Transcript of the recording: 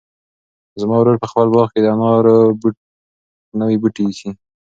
زما ورور په خپل باغ کې د انار نوي بوټي ایښي.